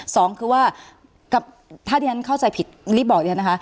สองคือว่าถ้าดิฉันเข้าใจผิดรีบบอกเลยนะคะ